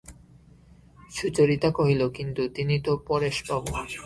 সুচরিতা কহিল, কিন্তু, তিনি তো– পরেশবাবু।